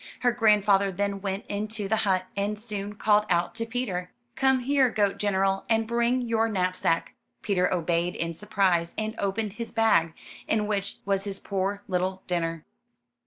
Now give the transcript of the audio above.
Her grandfather then went into the hut, and soon called out to Peter: '*Come here, goat general, and bring your knapsack.'* Peter obeyed in surprise, and opened his bag, in which was his poor little dinner.